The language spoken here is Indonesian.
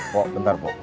po bentar po